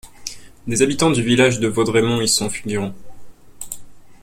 Des habitants du village de Vaudrémont y sont figurants.